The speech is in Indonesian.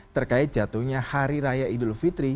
terkait jatuhnya hari raya idul fitri